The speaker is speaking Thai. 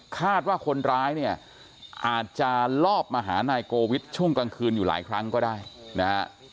คาดว่าคนร้ายเนี่ยอาจจะลอบมาหานายโกวิทช่วงกลางคืนอยู่หลายครั้งก็ได้นะฮะ